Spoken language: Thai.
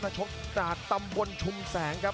ชกจากตำบลชุมแสงครับ